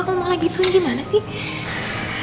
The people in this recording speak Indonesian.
kok mau lagi duin gimana sih